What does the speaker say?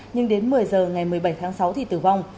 nhưng đến một mươi giờ ngày một mươi bảy tháng sáu thì tử vong